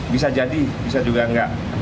bisa jadi bisa juga enggak